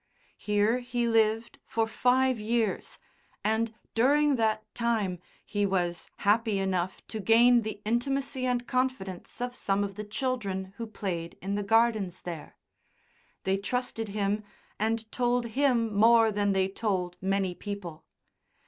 Here he lived for five years, and, during that time, he was happy enough to gain the intimacy and confidence of some of the children who played in the Gardens there. They trusted him and told him more than they told many people.